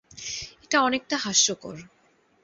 এটা অনেকটা হাস্যকর।